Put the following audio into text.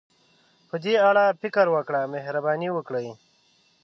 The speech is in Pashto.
په دې اړه فکر وکړئ، مهرباني وکړئ.